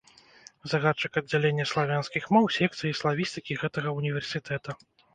Загадчык аддзялення славянскіх моў секцыі славістыкі гэтага ўніверсітэта.